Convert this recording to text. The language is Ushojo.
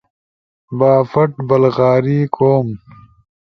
بافٹ، بلغاری، کوم